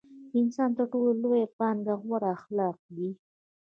د انسان تر ټولو لويه پانګه غوره اخلاق دي.